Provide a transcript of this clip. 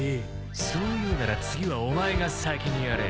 そう言うなら次はお前が先にやれ。